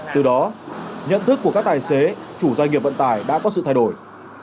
từ đó nhận thức của các tài xế chủ doanh nghiệp vận tải đã có sự thay đổi